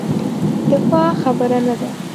دفاع خبره نه ده.